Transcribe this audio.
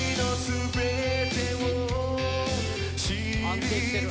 安定してる！